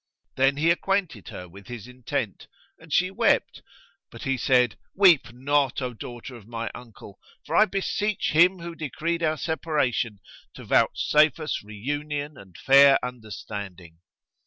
Then he acquainted her, with his intent, and she wept: but he said, "Weep not, O daughter of my uncle; for I beseech Him who decreed our separation to vouchsafe us reunion and fair understanding."